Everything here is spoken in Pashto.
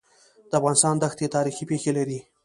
د افغانستان دښتي تاریخي پېښې لري.